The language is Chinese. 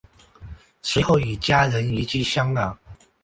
随后与家人移居香港。